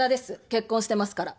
結婚してますから。